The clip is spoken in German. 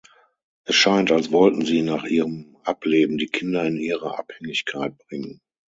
Es scheint, als wollten sie nach ihrem Ableben die Kinder in ihre Abhängigkeit bringen.